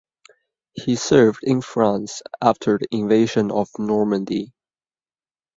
He served in France after the invasion of Normandy.